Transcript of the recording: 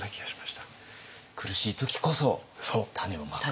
苦しい時こそ種をまく。